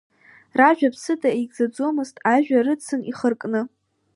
Ражәа ԥсыда еигӡаӡомызт, ажәа рыцын ихыркны.